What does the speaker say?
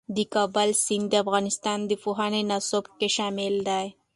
د کابل سیند د افغانستان د پوهنې نصاب کې شامل دی.